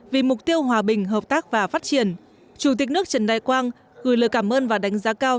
vì mục tiêu hòa bình hợp tác và phát triển chủ tịch nước trần đại quang gửi lời cảm ơn và đánh giá cao